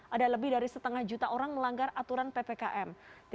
ada lebih dari setengah juta orang melanggar aturan ppkm